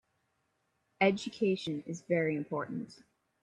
Education is very important.